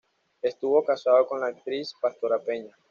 Estuvo casado con la actriz Pastora Peña.